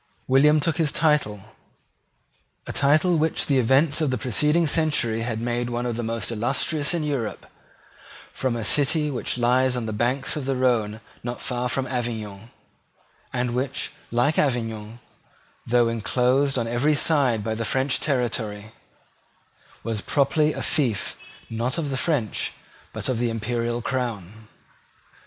William took his title, a title which the events of the preceding century had made one of the most illustrious in Europe, from a city which lies on the banks of the Rhone not far from Avignon, and which, like Avignon, though inclosed on every side by the French territory, was properly a fief not of the French but of the Imperial Crown.